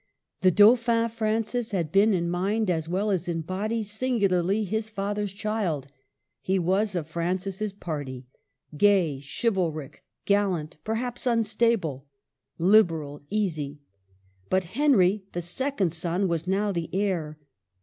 The Dauphin, Francis, had been, in mind as well as in body, singularly his father's child. He was of Francis's party, — gay, chival ric, gallant, perhaps unstable, liberal, easy. But Henry, the second son, was now the heir.